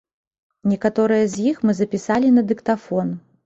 Некаторыя з іх мы запісалі на дыктафон.